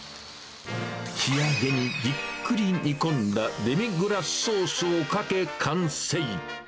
仕上げにじっくり煮込んだデミグラスソースをかけ、完成。